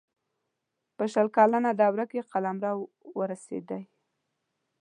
په شل کلنه دوره کې قلمرو رسېدی.